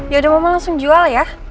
yaudah mama langsung jual ya